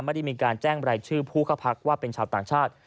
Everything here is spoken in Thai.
ไม่ได้มีการแจ้งรายชื่อผู้เข้าพักว่าเป็นชาวต่างชาติ